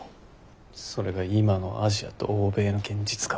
それが今のアジアと欧米の現実か。